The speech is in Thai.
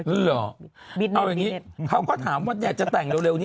เอาอย่างนี้เขาก็ถามว่าแบดจะแต่งเร็ว